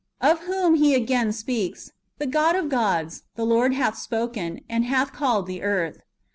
Of whom He again speaks :" The God of gods, the Lord hath spoken, and hath called the earth."